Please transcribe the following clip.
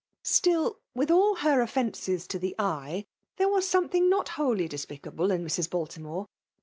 Still, with all her offences to the eye, there was something not wholly despicable in Mrs, Baltimore.